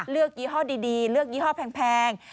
ยี่ห้อดีเลือกยี่ห้อแพง